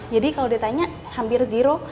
jadi kalau ditanya hampir zero